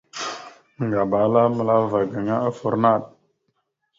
Ŋgaba ala məla ava gaŋa offor naɗ.